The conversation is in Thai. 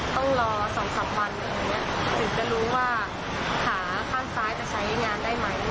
ต้องรอสองสามวันหนึ่งถึงจะรู้ว่าขาข้างซ้ายจะใช้งานได้ไหม